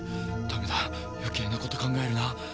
ダメだ余計なこと考えるな